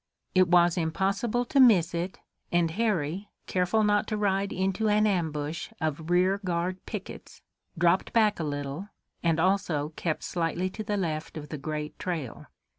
It was impossible to miss it, and Harry, careful not to ride into an ambush of rear guard pickets, dropped back a little, and also kept slightly to the left of the great trail.